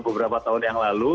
beberapa tahun yang lalu